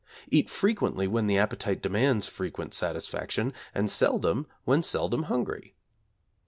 Eat frequently when the appetite demands frequent satisfaction, and seldom when seldom hungry.